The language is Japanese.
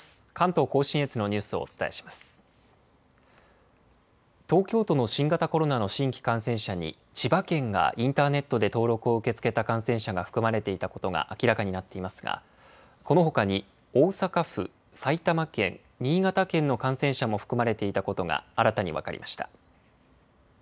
東京都の新型コロナの新規感染者に、千葉県がインターネットで登録を受け付けた感染者が含まれていたことが明らかになっていますが、このほかに大阪府、埼玉県、新潟県の感染者も含まれていたことが新たに分かりました。